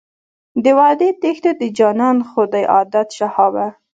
د وعدې تېښته د جانان خو دی عادت شهابه.